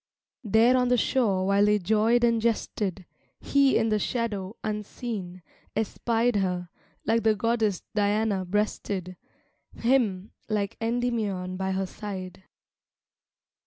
There on the shore, while they joyed and jested, He in the shadows, unseen, espied Her, like the goddess Diana breasted, Him, like Endymion by her side.